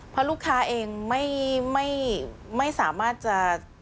เพราะลูกค้าเองไม่สามารถจะ